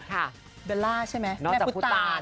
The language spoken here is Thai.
เบลล่าใช่ไหมแม่พุทธตาน